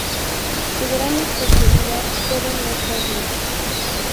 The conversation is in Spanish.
Su gran especialidad fueron los dobles.